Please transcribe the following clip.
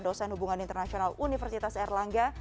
dosen hubungan internasional universitas erlangga